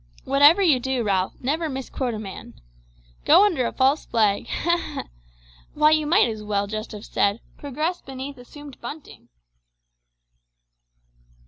Whatever you do, Ralph, never misquote a man. Go under a false flag! ha, ha! Why, you might just as well have said, `progress beneath assumed bunting.'"